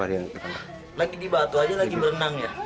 lagi di batu aja lagi berenang ya